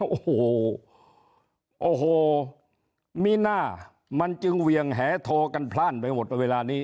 โอ้โหโอ้โหมีหน้ามันจึงเวียงแหโทกันพลาดไปหมดเวลานี้